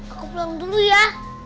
aku pulang dulu ya